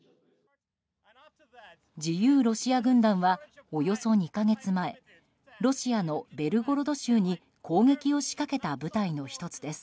自由ロシア軍団はおよそ２か月前ロシアのベルゴロド州に攻撃を仕掛けた部隊の１つです。